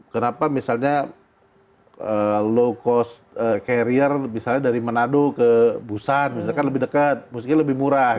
kenapa misalnya low cost carrier misalnya dari manado ke busan misalkan lebih dekat mungkin lebih murah